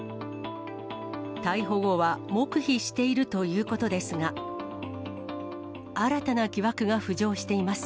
逮捕後は、黙秘しているということですが、新たな疑惑が浮上しています。